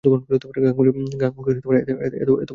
গাঙুকে এতো ভালোবাসা দিয়েছো।